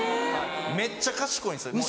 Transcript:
めっちゃ賢いんですよ。